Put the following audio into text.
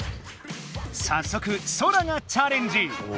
さっそくソラがチャレンジ。